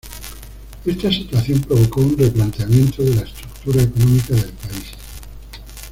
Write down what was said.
Esta situación provocó un replanteamiento de la estructura económica del país.